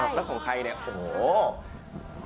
เ็มที่ของใครเนี้ย